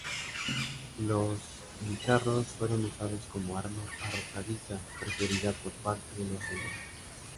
Los guijarros fueron usados como arma arrojadiza preferida por parte de los honderos.